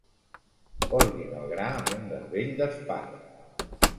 Porguin el gra amb un garbell d'espart.